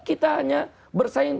kita hanya bersaing